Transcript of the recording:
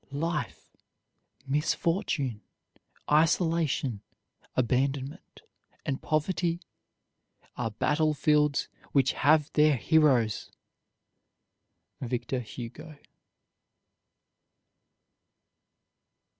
Life, misfortune, isolation, abandonment, and poverty are battlefields which have their heroes. VICTOR HUGO.